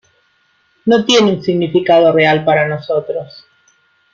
No tiene un significado real para nosotros.